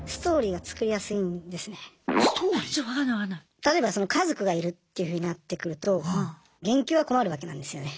例えば家族がいるっていうふうになってくると減給は困るわけなんですよね。